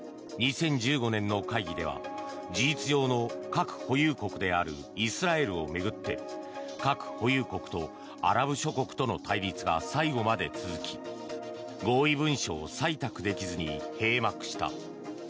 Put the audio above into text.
２０１５年の会議では事実上の核保有国であるイスラエルを巡って核保有国とアラブ諸国との対立が最後まで続き合意文書を採択できずに閉幕した。